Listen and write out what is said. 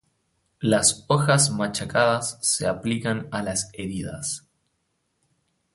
Las hojas machacadas se aplican a las heridas.